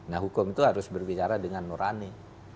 nah hukum itu harus berbicara dengan nurani